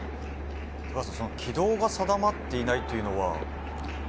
軌道が定まっていないっていうのは。